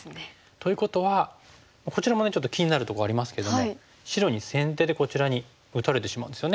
ということはこちらもちょっと気になるとこありますけども白に先手でこちらに打たれてしまうんですよね。